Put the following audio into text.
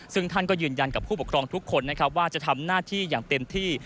ซึ่งท่านก็ยืนยันกับผู้ปกครองทุกคนนะครับว่าจะทำหน้าที่อย่างเต็มที่